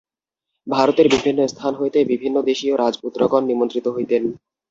ভারতের বিভিন্ন স্থান হইতে বিভিন্নদেশীয় রাজপুত্রগণ নিমন্ত্রিত হইতেন।